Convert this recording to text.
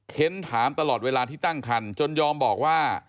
ถามตลอดเวลาที่ตั้งคันจนยอมบอกว่า